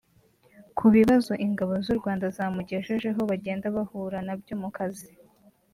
Ku bibazo Ingabo z’u Rwanda zamugejejeho bagenda bahura na byo mu kazi